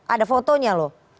ada fotonya loh